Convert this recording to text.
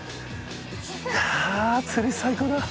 あー釣り最高だ！